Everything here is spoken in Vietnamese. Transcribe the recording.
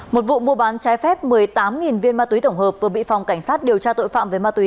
một vụ mua bán trái phép một mươi tám viên ma túy tổng hợp vừa bị phòng cảnh sát điều tra tội phạm về ma túy